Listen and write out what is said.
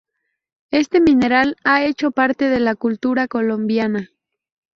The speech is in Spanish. Este mineral ha hecho parte de la cultura colombiana.